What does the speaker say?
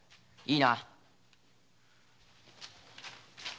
いいな。